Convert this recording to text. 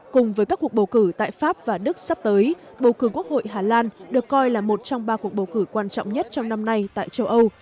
cùng với các cuộc bầu cử tại pháp và đức sắp tới bầu cử quốc hội hà lan được coi là một trong ba cuộc bầu cử quan trọng nhất trong năm nay tại châu âu